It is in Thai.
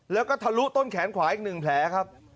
แล้วก็ทะลุต้นแขนขวาอีก๑แผลครับ